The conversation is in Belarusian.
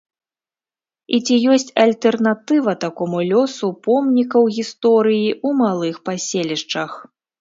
І ці ёсць альтэрнатыва такому лёсу помнікаў гісторыі ў малых паселішчах?